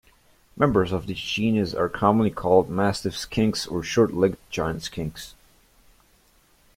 Members of this genus are commonly called mastiff skinks or short-legged giant skinks.